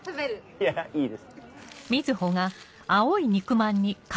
いやいいです。